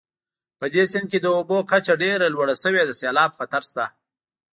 په دې سیند کې د اوبو کچه ډېره لوړه شوې د سیلاب خطر شته